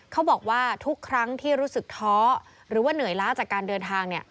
เขาบอกว่าทุกครั้งที่รู้สึกท้อหรือว่าเหนื่อยล้าจากการเดินทาง